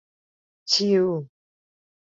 ชิล